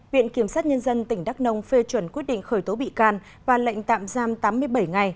viện kiểm sát nhân dân tỉnh đắk nông phê chuẩn quyết định khởi tố bị can và lệnh tạm giam tám mươi bảy ngày